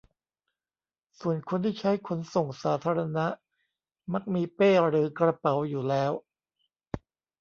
ส่วนคนที่ใช้ขนส่งสาธารณะมักมีเป้หรือกระเป๋าอยู่แล้ว